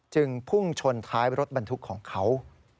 พุ่งชนท้ายรถบรรทุกของเขา